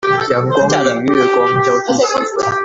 陽光與月光交替時分